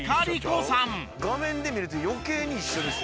画面で見ると余計に一緒ですよ。